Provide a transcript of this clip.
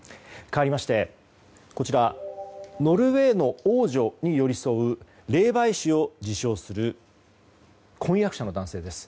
かわりましてノルウェーの王女に寄り添う霊媒師を自称する婚約者の男性です。